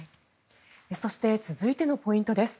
そして続いてのポイントです。